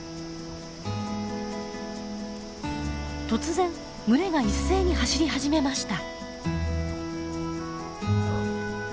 突然群れが一斉に走り始めました。